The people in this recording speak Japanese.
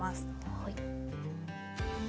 はい。